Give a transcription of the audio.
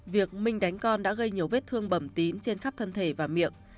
việc mình đánh con đã gây nhiều vết thương bầm tín trên khắp thân thể và miệng